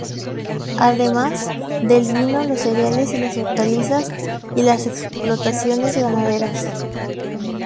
Además, del vino, los cereales y las hortalizas y las explotaciones ganaderas.